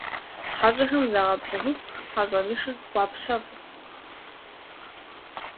ХьэщӀэхэм загъэпсэхуху, хьэщӀэнышыр хуапщэфӏырт.